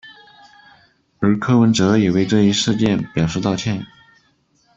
而柯文哲也为这一事件表示道歉。